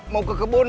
mau ke kebun